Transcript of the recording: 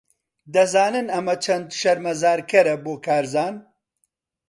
دەزانن ئەمە چەند شەرمەزارکەرە بۆ کارزان؟